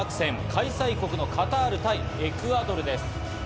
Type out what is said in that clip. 開催国のカタール対エクアドルです。